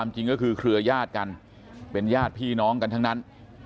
จริงก็คือเครือญาติกันเป็นญาติพี่น้องกันทั้งนั้น